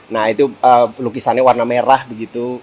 nah itu lukisannya warna merah begitu